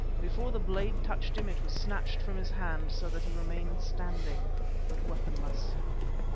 Before the blade touched him it was snatched from his hand, so that he remained standing, but weaponless.